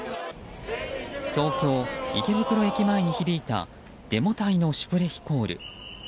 東京・池袋駅前に響いたデモ隊のシュプレヒコール。